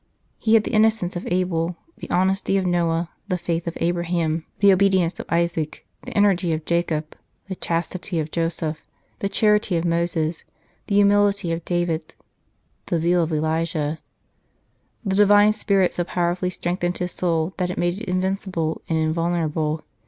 He had the innocence of Abel, the honesty of Noah, the faith of Abraham, the obedience of Isaac, the energy of Jacob, the chastity of Joseph, the charity of Moses, the humility of David, the zeal of Elijah. ... The Divine Spirit so powerfully strengthened his soul that it made it invincible and invulnerable.